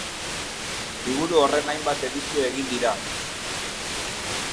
Liburu horren hainbat edizio egin dira.